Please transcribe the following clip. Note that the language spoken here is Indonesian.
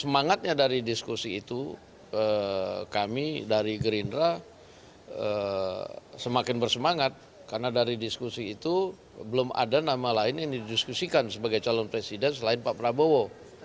semangatnya dari diskusi itu kami dari gerindra semakin bersemangat karena dari diskusi itu belum ada nama lain yang didiskusikan sebagai calon presiden selain pak prabowo